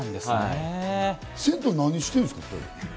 銭湯で何してるんですか？